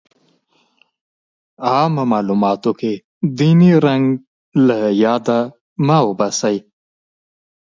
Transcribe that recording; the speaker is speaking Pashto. عامه معلوماتو کې ديني رنګ له ياده مه وباسئ.